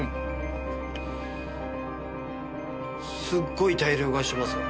すっごい大量買いしてますよ。